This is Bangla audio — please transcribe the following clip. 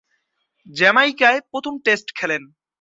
জ্যামাইকায় প্রথম টেস্ট খেলেন।